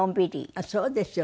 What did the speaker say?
あっそうですよね。